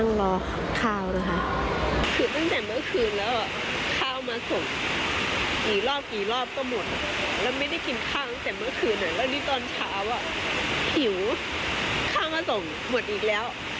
หิวข้าวมาส่งหมดอีกแล้ว